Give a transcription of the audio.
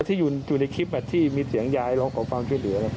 ที่อยู่ในคลิปที่มีเสียงยายลองขอบฟังช่วยหรืออะไร